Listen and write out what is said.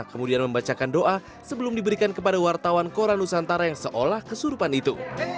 kemudian membacakan doa sebelum diberikan kepada wartawan koran nusantara yang seolah kesurupan itu